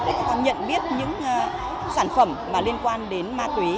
để các con nhận biết những sản phẩm liên quan đến ma túy